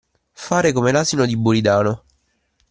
Fare come l'asino di Buridano.